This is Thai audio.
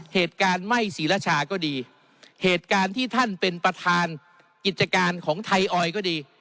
เหตุการณ์ไหม้ศรีรชาก็ดีเหตุการณ์ที่ท่านเป็นประธานกิจการของไทยออยก็ดี